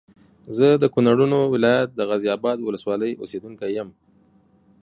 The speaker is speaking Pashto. زه د کونړونو ولايت د غازي اباد ولسوالۍ اوسېدونکی یم